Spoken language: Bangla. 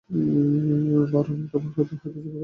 বউরানী তোমার জন্যে হয়তো জেগে বসে আছেন।